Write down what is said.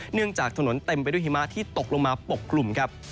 เนื่องจากถนนเต็มไปด้วยหิมะที่ตกลงมาปกกลุ่มครับ